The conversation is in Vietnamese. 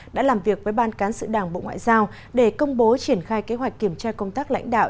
đã làm việc với ban cán sự đảng bộ ngoại giao để công bố triển khai kế hoạch kiểm tra công tác lãnh đạo